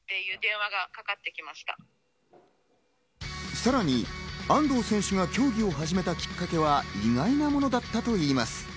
さらに、安藤選手が競技を始めたきっかけは意外なものだったといいます。